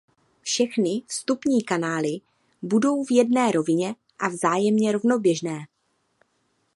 Všechny vstupní kanály budou v jedné rovině a vzájemně rovnoběžné.